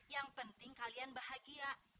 yang penting kalian bahagia